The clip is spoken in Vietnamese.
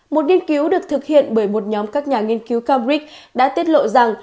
một nghiên cứu được thực hiện bởi một nhóm các nhà nghiên cứu cambric đã tiết lộ rằng